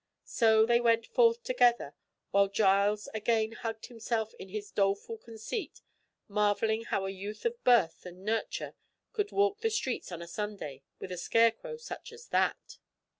So they went forth together, while Giles again hugged himself in his doleful conceit, marvelling how a youth of birth and nurture could walk the streets on a Sunday with a scarecrow such as that!